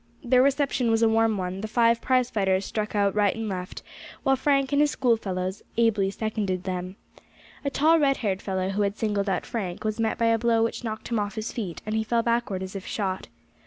Their reception was a warm one; the five prize fighters struck out right and left, while Frank and his schoolfellows ably seconded them. A tall red haired fellow who had singled out Frank, was met by a blow which knocked him off his feet, and he fell backward as if shot.